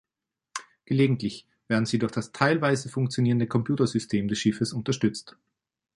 Gelegentlich werden sie durch das teilweise funktionierende Computersystem des Schiffes unterstützt.